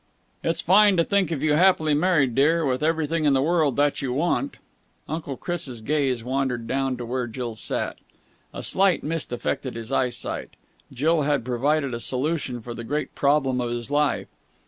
"It's fine to think of you happily married, dear, with everything in the world that you want." Uncle Chris' gaze wandered down to where Jill sat. A slight mist affected his eyesight. Jill had provided a solution for the great problem of his life.